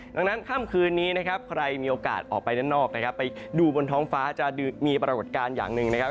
ดังนั้นค่ำคืนนี้นะครับใครมีโอกาสออกไปด้านนอกนะครับไปดูบนท้องฟ้าจะมีปรากฏการณ์อย่างหนึ่งนะครับ